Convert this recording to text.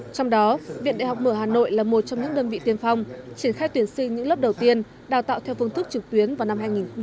trong đó viện đại học mở hà nội là một trong những đơn vị tiên phong triển khai tuyển sinh những lớp đầu tiên đào tạo theo phương thức trực tuyến vào năm hai nghìn hai mươi